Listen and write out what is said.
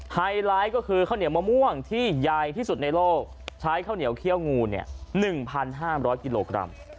ไฮไลท์ก็คือข้าวเหนียวมะม่วงที่ใหญ่ที่สุดในโลกใช้ข้าวเหนียวเขี้ยวงู๑๕๐๐กิโลกรัม